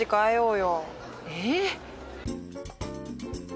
ええ？